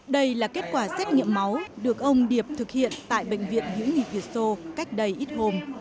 đây là kết quả xét nghiệm máu được ông điệp thực hiện tại bệnh viện hữu nghị việt sô cách đây ít hôm